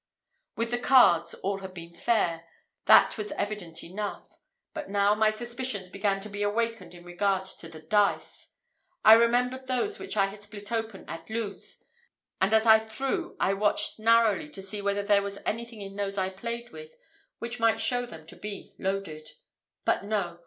With the cards all had been fair that was evident enough; but now my suspicions began to be awakened in regard to the dice. I remembered those which I had split open at Luz, and as I threw I watched narrowly to see whether there was anything in those I played with which might show them to be loaded. But no!